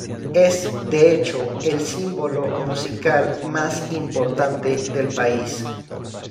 Es, de hecho, el símbolo musical más importante del país.